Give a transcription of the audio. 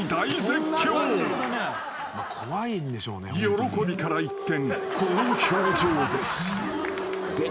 ［喜びから一転この表情です］